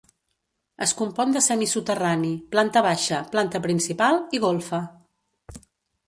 Es compon de semisoterrani, planta baixa, planta principal i golfa.